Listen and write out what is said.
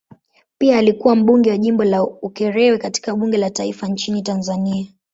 Pia alikuwa mbunge wa jimbo la Ukerewe katika bunge la taifa nchini Tanzania.